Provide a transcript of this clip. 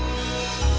sini kita balik lagi